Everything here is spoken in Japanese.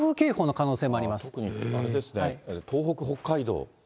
特にあれですね、東北、北海道。